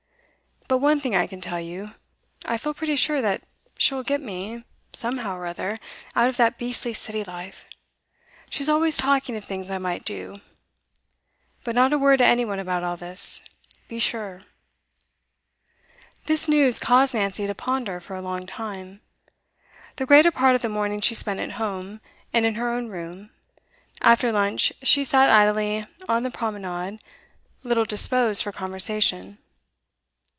But one thing I can tell you, I feel pretty sure that she will get me, somehow or other, out of that beastly City life; she's always talking of things I might do. But not a word to any one about all this be sure.' This news caused Nancy to ponder for a long time. The greater part of the morning she spent at home, and in her own room; after lunch, she sat idly on the promenade, little disposed for conversation.